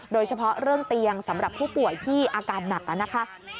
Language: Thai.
โดยเฉพาะเรื่องเตียงสำหรับผู้ป่วยที่อาการหนักนะคะ